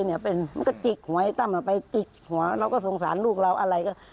มันก็จิกหัวไอ้ตั้มเอาไปจิกหัวเราก็สงสารลูกเราอะไรก็